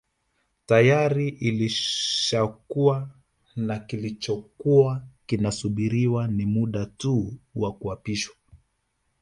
Tayari ilishakuwa na kilichokuwa kinasubiriwa ni muda tu wa kuapishwa